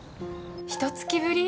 ・ひと月ぶり？